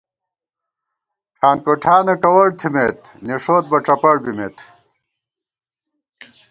ٹھان کوٹھانہ کوَڑ تھِمېت نِݭوتبہ ڄپَڑ بِمېت